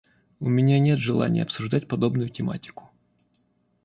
У меня нет желания обсуждать подобную тематику.